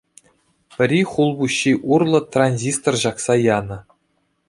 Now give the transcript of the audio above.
Пӗри хул-пуҫҫи урлӑ транзистор ҫакса янӑ.